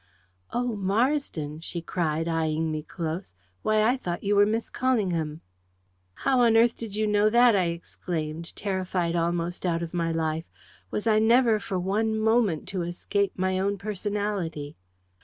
"Oh, Marsden!" she cried, eyeing me close. "Why, I thought you were Miss Callingham!" "How on earth did you know that?" I exclaimed, terrified almost out of my life. Was I never for one moment to escape my own personality?